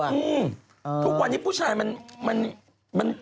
ทุกวันที่ผู้ชายมันมัน